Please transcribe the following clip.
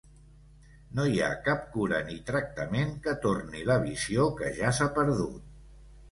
No hi ha cap cura ni tractament que torni la visió que ja s'ha perdut.